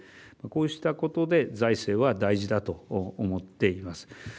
こうしたことで財政は大事だと思っています。